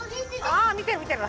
あみてるみてる！